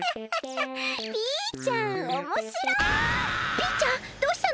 ピーちゃんどうしたの？